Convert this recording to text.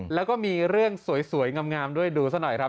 แล้วก็มีเรื่องสวยงามด้วยดูซะหน่อยครับ